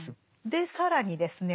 で更にですね